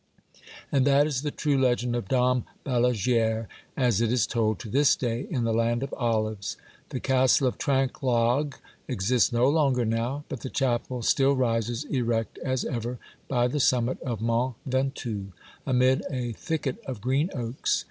And that is the true legend of Dom Balaguere as it is told to this day in the land of olives. The castle of Trinquelague exists no longer now, but the chapel still rises erect as ever, by the summit of Mont Ventoux, amid a thicket of green oaks.